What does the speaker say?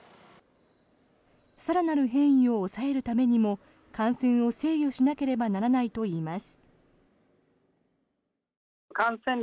更なる変異を抑えるためにも感染を制御しなければならないといいます。